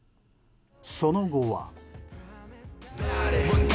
その後は。